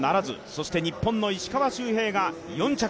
そして、日本の石川周平が４着。